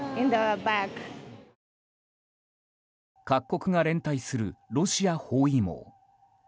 各国が連帯するロシア包囲網。